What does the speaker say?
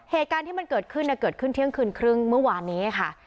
เหตุการณ์ที่มันเกิดขึ้นเกิดขึ้นเที่ยงคืนครึ่งเมื่อวานนี้ค่ะ